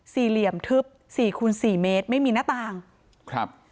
เหลี่ยมทึบสี่คูณสี่เมตรไม่มีหน้าต่างครับ